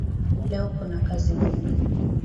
Leo kuna kazi ngumu